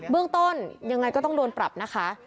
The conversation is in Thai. เรื่องต้นยังไงก็ต้องโดนปรับนะคะ